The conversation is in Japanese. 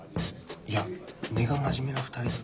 いや根が真面目な２人だ